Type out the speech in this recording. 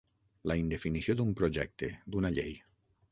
La indefinició d'un projecte, d'una llei.